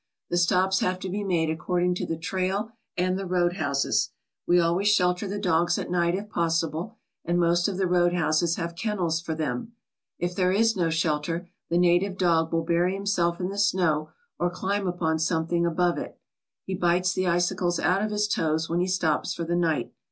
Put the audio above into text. The stops have to be made according to the trail and the roadhouses. We always shelter the dogs at night if possible, and most of the roadhouses have kennels for them. If there is no shelter the native dog will bury himself in the snow or climb upon something above it. He bites the icicles out of his toes when he stops for the night.